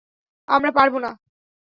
আমরা পারব না।